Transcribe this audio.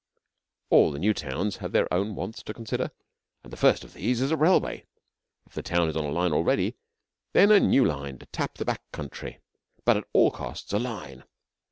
All the new towns have their own wants to consider, and the first of these is a railway. If the town is on a line already, then a new line to tap the back country; but at all costs a line.